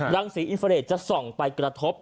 รังสีอินเฟอร์เนสจะส่องไปกระทบ